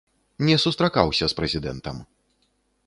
Не сустракаўся з прэзідэнтам.